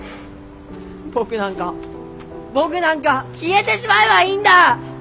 僕なんか僕なんか消えてしまえばいいんだ！